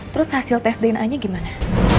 terus hasil tes dnanya gimana